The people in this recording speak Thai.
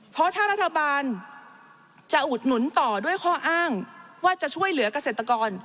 เพราะถ้ารัฐบาลจะอุดหนุนต่อด้วยข้ออ้างว่าจะช่วยเหลือกเกษตรกร